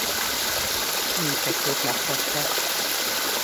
Mindkettőt megtette.